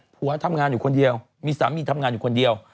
ผัวทำงานอยู่คนเดียวมีสามีทำงานอยู่คนเดียว